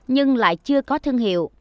nhưng lại chưa có thương hiệu